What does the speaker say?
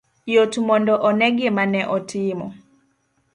Yot mondo one gima ne otimo